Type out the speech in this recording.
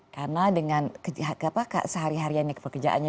karena dengan sehari hariannya kepekerjaannya